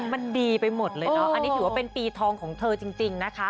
มันดีไปหมดเลยเนอะอันนี้ถือว่าเป็นปีทองของเธอจริงนะคะ